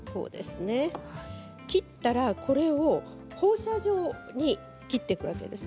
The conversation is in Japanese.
切ったらこれを放射状に切っていくわけです。